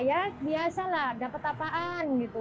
ya biasalah dapat apaan gitu